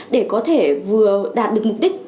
để có thể vừa đạt được mục đích